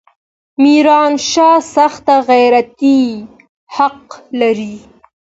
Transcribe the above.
ميرانشاه سخت غيرتي خلق لري.